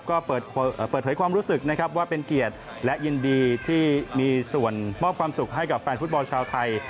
ก็เปิดเผยความรู้สึกนะครับว่าเป็นเกียรติและยินดีที่มีส่วนมอบความสุขให้กับแฟนฟุตบอลชาวไทย